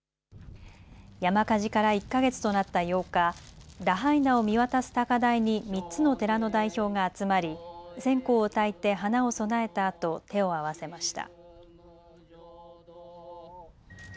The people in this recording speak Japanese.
山火事から１か月となった８日、ラハイナを見渡す高台に３つの寺の代表が集まり線香をたいて花を供えたあと手を合わせました。